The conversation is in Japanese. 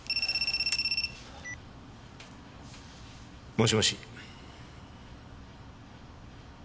もしもし。